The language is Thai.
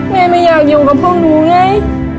แม่ไม่อยากอยู่กับพ่อหนูไง